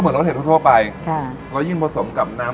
อืม